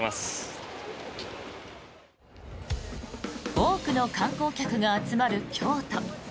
多くの観光客が集まる京都。